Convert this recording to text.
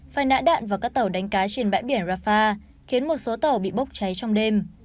phải nã đạn vào các tàu đánh cá trên bãi biển rafah khiến một số tàu bị bốc cháy trong đêm